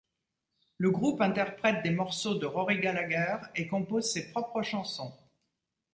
Le groupe interprète des morceaux de Rory Gallagher et compose ses propres chansons.